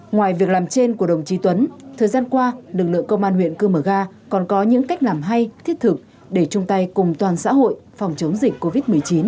ngoài việc làm trên của đồng chí tuấn thời gian qua lực lượng công an huyện cư mờ ga còn có những cách làm hay thiết thực để chung tay cùng toàn xã hội phòng chống dịch covid một mươi chín